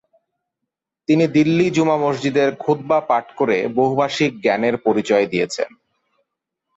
তিনি দিল্লি জুমা মসজিদে খুতবা পাঠ করে বহুভাষীক জ্ঞানের পরিচয় দিয়েছেন।